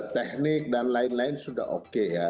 teknik dan lain lain sudah oke ya